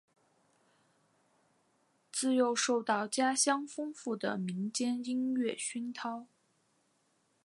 自幼受到家乡丰富的民间音乐熏陶。